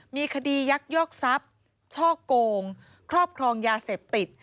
มีคดียักยอกทรัพย์ช่อกงครอบครองยาเสพติด